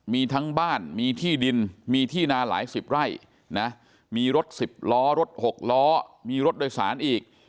มีทั้งบ้านมีที่ดินมีที่นาหลายสิบไร่นะมีรถ๑๐ล้อรถ๖ล้อมีรถโดยสารอีก